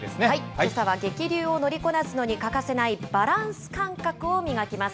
けさは激流を乗りこなすのに欠かせないバランス感覚を磨きます。